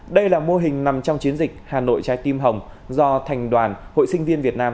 đây là mô hình nằm trong chiến dịch hà nội trái tim hồng do thành đoàn hội sinh viên việt nam